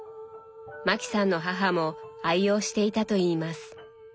マキさんの母も愛用していたといいます。